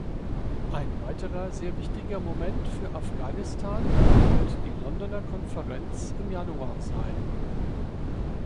Ein weiterer sehr wichtiger Moment für Afghanistan wird die Londoner Konferenz im Januar sein.